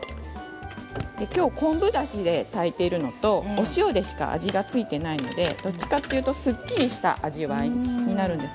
昆布だしで炊いているのとお塩でしか味が付いていないのでどちらかというとすっきりした味わいになります。